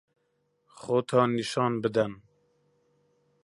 خۆتان نیشان بدەن.